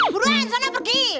buruan sana pergi